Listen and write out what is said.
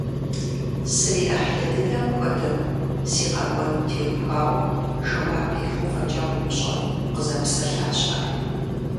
СриӀыхьлы дыдэм хуэдэу, си къэкӀуэнум теухуауэ жэуап ихьу фӀэкӀа умыщӀэну къызэпсэлъащ ар.